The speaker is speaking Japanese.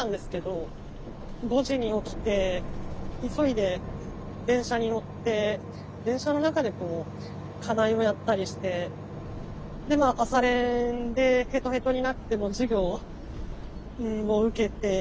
５時に起きて急いで電車に乗って電車の中で課題をやったりしてでまあ朝練でへとへとになっても授業を受けて。